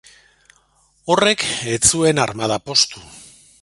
Horrek ez zuen armada poztu.